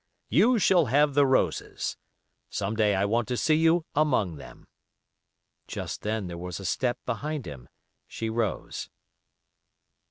You shall have the roses. Some day I want to see you among them." Just then there was a step behind him. She rose.